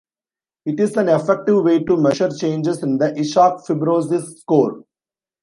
It is an effective way to measure changes in the Ishak fibrosis score.